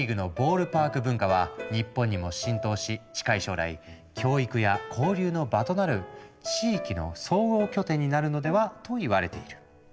パーク文化は日本にも浸透し近い将来教育や交流の場となる地域の総合拠点になるのではといわれている。